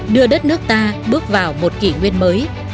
đưa đất nước ta bước vào một kỷ nguyên mới